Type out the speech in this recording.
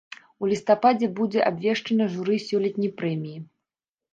У лістападзе будзе абвешчана журы сёлетняй прэміі.